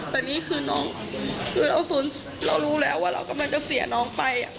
แต่นี่คือน้องคือเรารู้แล้วว่าเรากำลังจะเสียน้องไป